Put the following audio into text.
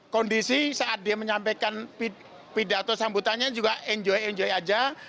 kondisi saat dia menyampaikan pidato sambutannya juga enjoy enjoy aja